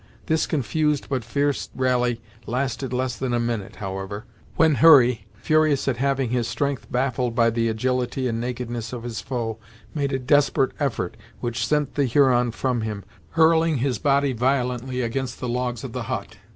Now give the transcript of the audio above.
This confused but fierce rally lasted less than a minute, however; when, Hurry, furious at having his strength baffled by the agility and nakedness of his foe, made a desperate effort, which sent the Huron from him, hurling his body violently against the logs of the hut.